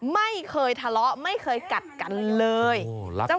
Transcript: ไม่เคยทะเลาะแมวจริงจริงจีนจอดครอบครับ